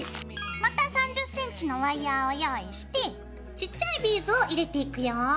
また３０ｃｍのワイヤーを用意してちっちゃいビーズを入れていくよ。